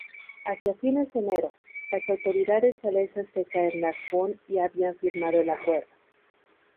Hacia fines de enero, las autoridades galesas de Caernarfon ya habían firmado el acuerdo.